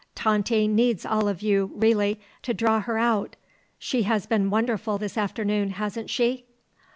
Tante needs all of you, really, to draw her out. She has been wonderful this afternoon, hasn't she?"